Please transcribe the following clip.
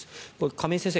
亀井先生